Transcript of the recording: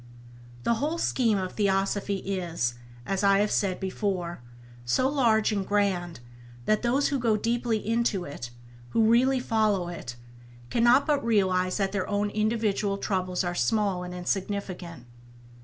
The whole scheme of Theosophy is, as I have said before, so large and grand, that those who go deeply into it, who really follow it, cannot but realize that their own individual troubles are small and insignificant.